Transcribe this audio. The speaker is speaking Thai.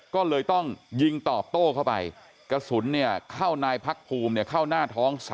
ก็เลยต้องยิงตอบโต้เข้าไปกระสุนเนี่ยเข้านายพักภูมิเข้าหน้าท้อง